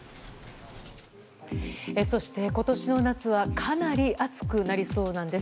そして、今年の夏はかなり暑くなりそうなんです。